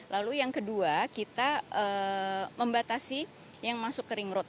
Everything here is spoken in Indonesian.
lalu yang kedua kita membatasi yang masuk ke ring road